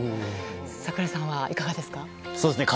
櫻井さんはいかがですか？